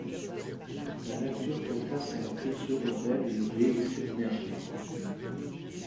La nature fait face à la culture urbaine et aux villes submergées.